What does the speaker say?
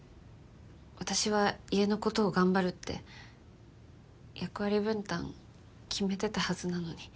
私は家のことを頑張るって役割分担決めてたはずなのに。